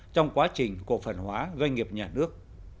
trong quá trình cổ phần hóa doanh nghiệp nhà nước